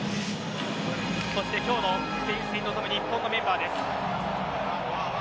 そして今日のスペイン戦のための日本のメンバーです。